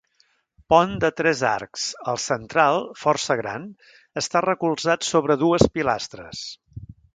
Pont de tres arcs, el central, força gran, està recolzat sobre dues pilastres.